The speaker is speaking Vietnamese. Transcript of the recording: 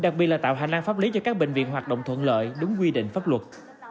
đặc biệt là tạo hành lang pháp lý cho các bệnh viện hoạt động thuận lợi đúng quy định pháp luật